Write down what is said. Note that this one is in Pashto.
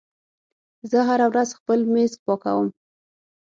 زه هره ورځ خپل میز پاکوم.